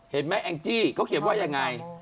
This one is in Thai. เห็นไหมแองจีเค้าเขียนว่ายังไง